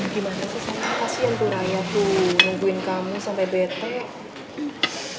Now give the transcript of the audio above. gimana sih sama kasih yang beraya tuh nungguin kamu sampe bete